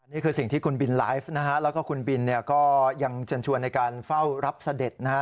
นี่คือสิ่งที่คุณบินไลฟ์นะฮะแล้วก็คุณบินเนี่ยก็ยังเชิญชวนในการเฝ้ารับเสด็จนะฮะ